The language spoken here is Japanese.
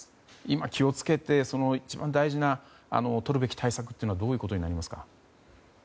今、気を付けて一番大事なとるべき対策というのはどういうことになりますか？